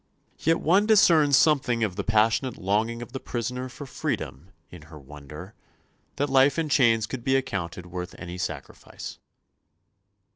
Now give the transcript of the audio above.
Yet one discerns something of the passionate longing of the prisoner for freedom in her wonder that life in chains could be accounted worth any sacrifice.